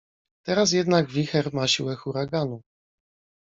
Teraz jednak wicher ma siłę huraganu.